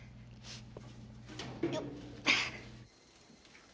よっ。